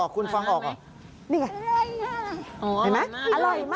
คุณฟังออกเหรอ